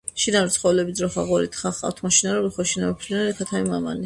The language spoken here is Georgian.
შინაური ცხოველები ძროხა, ღორი, თხა ჰყავთ მოშინაურებული, ხოლო შინაური ფრინველები: ქათამი და მამალი.